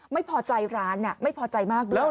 ไม่พอใจร้านไม่พอใจมากด้วย